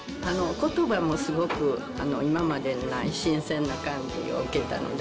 ことばもすごく、今までにない新鮮な感じを受けたので。